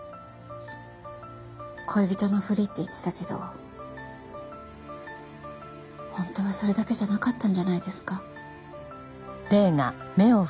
恋人のふりって言ってたけど本当はそれだけじゃなかったんじゃないですか？